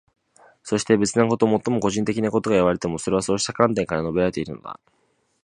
そして、別なこと、もっと個人的なことがいわれていても、それはそうした観点から述べられているのだ。